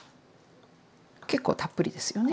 結構たっぷりですよね。